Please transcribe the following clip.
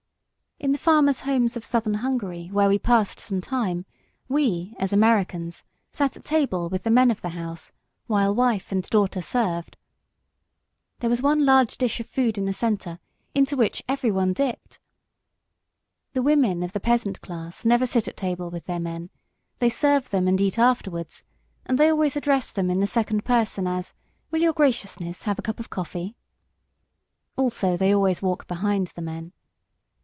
In the farmers' homes of southern Hungary where we passed some time, we, as Americans, sat at table with the men of the house, while wife and daughter served. There was one large dish of food in the centre, into which every one dipped! The women of the peasant class never sit at table with their men; they serve them and eat afterwards, and they always address them in the second person as, "Will your graciousness have a cup of coffee?" Also they always walk behind the men.